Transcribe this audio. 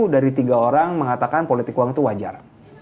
sepuluh dari tiga orang mengatakan politik uang itu wajar